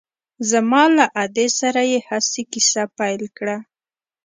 زما له ادې سره يې هسې کيسه پيل کړه.